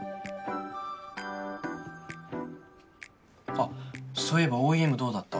あっそういえばＯＥＭどうだった？